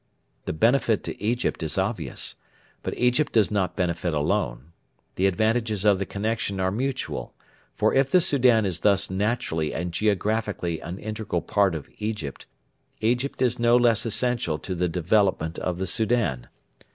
The benefit to Egypt is obvious; but Egypt does not benefit alone. The advantages of the connection are mutual; for if the Soudan is thus naturally and geographically an integral part of Egypt, Egypt is no less essential to the development of the Soudan.